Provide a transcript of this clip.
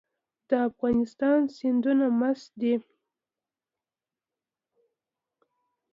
د افغانستان سیندونه مست دي